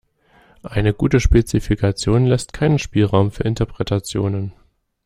Eine gute Spezifikation lässt keinen Spielraum für Interpretationen.